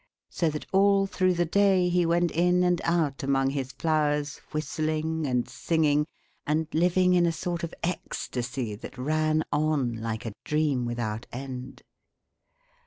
So that all through the day he went in and out among his flowers whistling and singing and living in a sort of ecstasy that ran on like a dream without end.